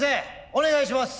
お願いします。